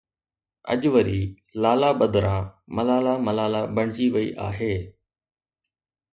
اڄ وري لالا بدران ملاله ملاله بڻجي وئي آهي.